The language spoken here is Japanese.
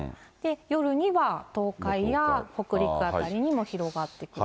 夜には東海や北陸辺りにも広がってくる。